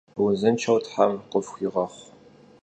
Vuzınşşeu them khıfxuiğexhu!